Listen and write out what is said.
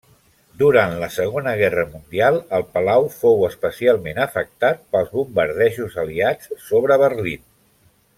Durant la Segona Guerra Mundial, el Palau fou especialment afectat pels bombardejos aliats sobre Berlín.